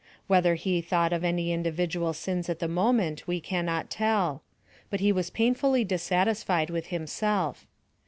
Whether he thought of any individual sins at the moment, we cannot tell; but he was painfully dissatisfied with himself.